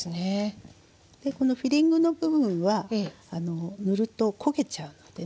このフィリングの部分は塗ると焦げちゃうのでね